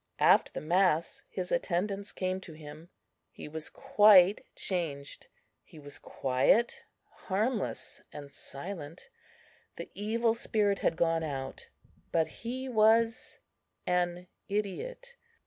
After the mass, his attendants came to him; he was quite changed; he was quiet, harmless, and silent: the evil spirit had gone out; but he was an idiot.